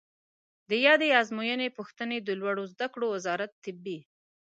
د یادې آزموینې پوښتنې د لوړو زده کړو وزارت طبي